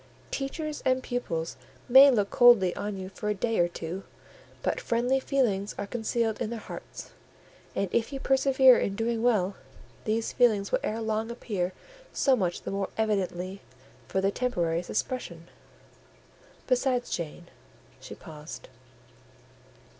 Teachers and pupils may look coldly on you for a day or two, but friendly feelings are concealed in their hearts; and if you persevere in doing well, these feelings will ere long appear so much the more evidently for their temporary suppression. Besides, Jane"—she paused.